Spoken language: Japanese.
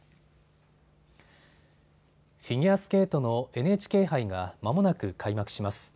フィギュアスケートのＮＨＫ杯がまもなく開幕します。